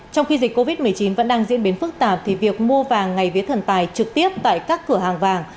trong khi dịch covid một mươi chín vẫn đang diễn biến phức tạp thì việc mua vàng ngày vía thần tài trực tiếp tại các cửa hàng vàng